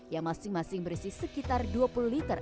yang masing masing berisi sekitar dua puluh liter